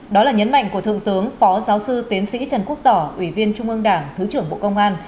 đó là nhấn mạnh của thượng tướng phó giáo sư tiến sĩ trần quốc tỏ ủy viên trung ương đảng thứ trưởng bộ công an